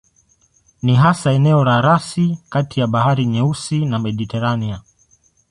Ni hasa eneo la rasi kati ya Bahari Nyeusi na Mediteranea.